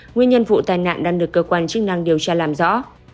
nguyên nhân vụ tai nạn đang được cơ quan chức năng điều tra làm rõ